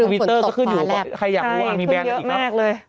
ตอนนี้ทวิตเตอร์ก็ขึ้นอยู่ใครอยากรู้ว่ามีแบนคุณลีน่าจังอีกแล้ว